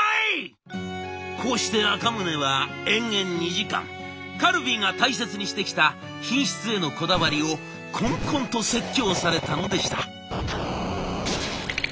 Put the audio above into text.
こうして赤宗は延々２時間カルビーが大切にしてきた品質へのこだわりをこんこんと説教されたのでした。